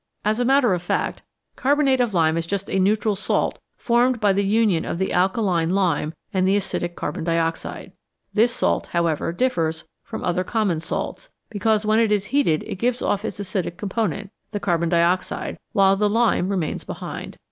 As a matter of fact, carbonate of lime is just a neutral salt formed by the union of the alkaline lime and the acidic carbon dioxide. This salt, however, differs from other common salts, because when it is heated it gives off its acidic component, the carbon dioxide, while the lime remains behind.